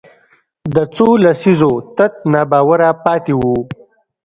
د څو لسیزو تت ناباوره پاتې وو